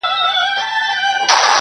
ستا د تصور تصوير كي بيا يوه اوونۍ جگړه,